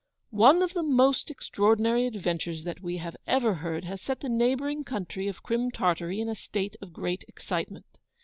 One of the most extraordinary adventures that we have ever heard has set the neighbouring country of Crim Tartary in a state of great excitement.